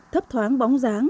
thấp thoáng bóng dáng